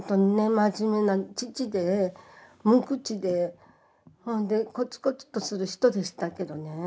真面目な父で無口でほんでこつこつとする人でしたけどね